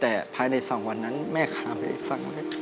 แต่ภายใน๒วันนั้นแม่ค้าไม่ได้สั่งมาให้